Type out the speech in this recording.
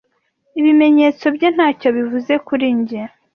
Ibimenyetso bye ntacyo bivuze kuri njye.